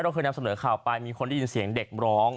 เคยนำเสนอข่าวไปมีคนได้ยินเสียงเด็กร้อง